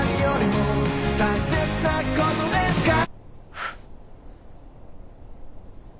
フッ。